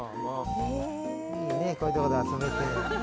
いいねこういうとこで遊べて。